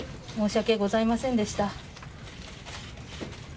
本当に申し訳ございませんでした。